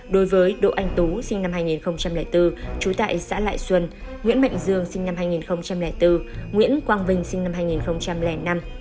đối với đỗ anh tú sinh năm hai nghìn bốn trú tại xã lại xuân nguyễn mạnh dương sinh năm hai nghìn bốn nguyễn quang vinh sinh năm hai nghìn năm